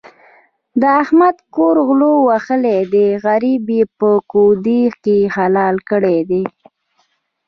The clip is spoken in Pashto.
د احمد کور غلو وهلی دی؛ غريب يې په کودي کې حلال کړی دی.